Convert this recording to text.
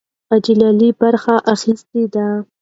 حاجي لالي برخه اخیستې ده.